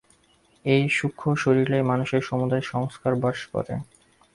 এই সূক্ষ্মশরীরেই মানুষের সমুদয় সংস্কার বাস করে।